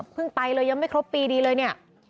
ไปเลยยังไม่ครบปีดีเลยเนี่ย